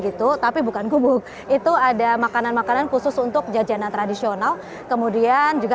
gitu tapi bukan gubuk itu ada makanan makanan khusus untuk jajanan tradisional kemudian juga